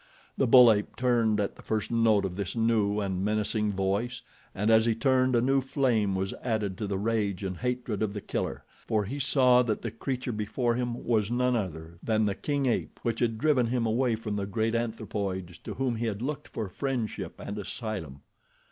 The bull ape turned at the first note of this new and menacing voice, and as he turned a new flame was added to the rage and hatred of The Killer, for he saw that the creature before him was none other than the king ape which had driven him away from the great anthropoids to whom he had looked for friendship and asylum.